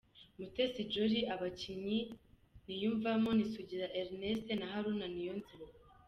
Mutesi Jolly: Abakinnyi niyumvamo, ni Sugira Ernest na Haruna Niyonzima.